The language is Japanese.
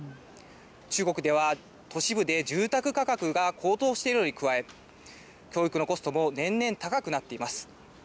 中国では、都市部で住宅価格が高騰しているのに加え、教育のコストも年々高くなっています。